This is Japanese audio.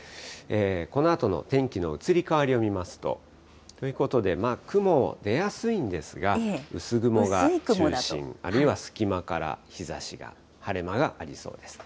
このあとの天気の移り変わりを見ますと、ということで、雲、出やすいんですが、薄雲が中心、あるいは隙間から日ざしが、晴れ間がありそうです。